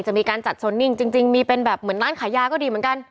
จะมีการจัดโซนนิ่งจริงมีเป็นแบบเหมือนร้านขายยาก็ดีเหมือนกัน